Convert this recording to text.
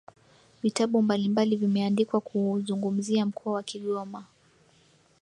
vitabu mbalimbali vimeandikwa kuuzungumzia mkoa wa Kigoma